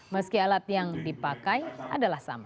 meski alat yang dipakai adalah sama